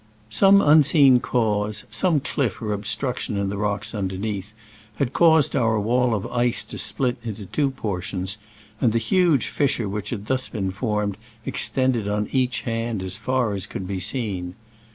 Some unseen cause, some cliff or ob struction in the rocks underneath, had caused our wall of ice to split into two portions, and the huge fissure which had thus been formed extended on each hand as far as could be seen.